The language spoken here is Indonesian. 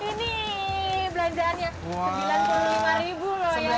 ini belanjaannya sembilan puluh lima ribu loh ya